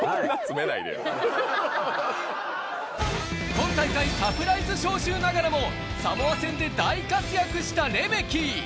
今大会、サプライズ招集ながらもサモア戦で大活躍したレメキ。